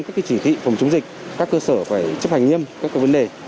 các chỉ thị phòng chống dịch các cơ sở phải chấp hành nghiêm các vấn đề